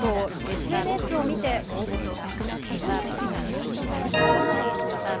ＳＮＳを見て応募した。